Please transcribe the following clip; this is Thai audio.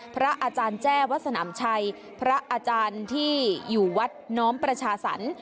พระอาจารย์แจ้วัดสนามชัยพระอาจารย์ที่อยู่วัดน้อมประชาสรรค์